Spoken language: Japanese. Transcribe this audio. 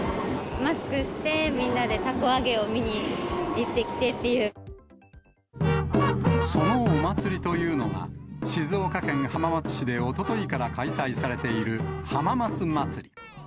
マスクして、みんなでたこ揚そのお祭りというのが、静岡県浜松市でおとといから開催されている、浜松まつり。